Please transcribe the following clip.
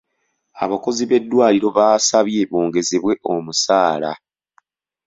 Abakozi b'eddwaliro baasabye bongezebwe omusaala.